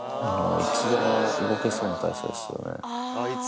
いつでも動けそうな体勢です